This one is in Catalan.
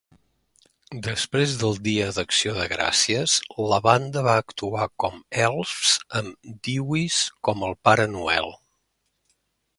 Després del Dia d'Acció de Gràcies, la banda va actuar com elfs amb Dewees com el Pare Noel.